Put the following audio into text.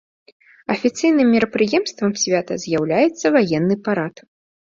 Афіцыйным мерапрыемствам свята з'яўляецца ваенны парад.